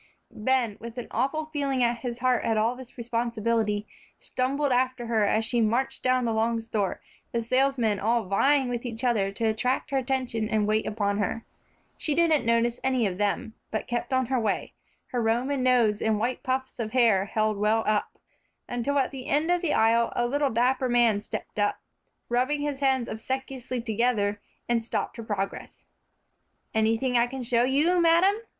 Ben, with an awful feeling at his heart at all this responsibility, stumbled after her as she marched down the long store, the salesmen all vying with each other to attract her attention and wait upon her. She didn't notice any of them, but kept on her way, her Roman nose and white puffs of hair held well up, until at the end of the aisle a little dapper man stepped up, rubbing his hands obsequiously together, and stopped her progress. "Anything I can show you, madam?"